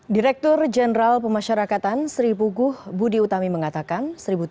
direktur jenderal pemasyarakatan sri puguh budi utami mengatakan